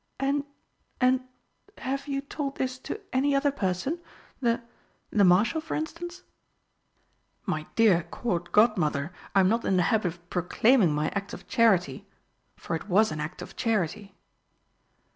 "And and have you told this to any other person the the Marshal, for instance?" "My dear Court Godmother, I am not in the habit of proclaiming my acts of charity for it was an act of charity!"